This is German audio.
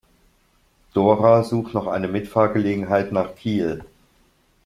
Dora sucht noch eine Mitfahrgelegenheit nach Kiel.